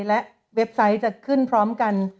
และเว็บไซต์จะขึ้นพร้อมกัน